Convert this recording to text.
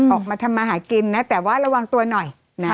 ออกมาทำมาหากินนะแต่ว่าระวังตัวหน่อยนะ